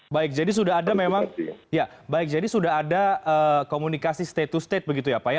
baik jadi sudah ada memang komunikasi state to state begitu ya pak ya